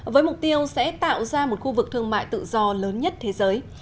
với mục tiêu sẽ tạo ra một khu vực thương mại tự do lớn nhất thế giới